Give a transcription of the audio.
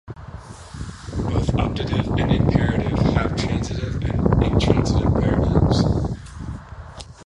Both optative and imperative have transitive and intransitive paradigms.